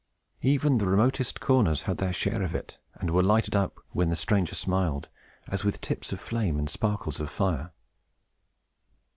Even the remotest corners had their share of it, and were lighted up, when the stranger smiled, as with tips of flame and sparkles of fire.